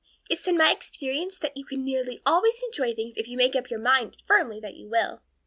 It's been my experience that you can nearly always enjoy things if you make up your mind firmly that you will.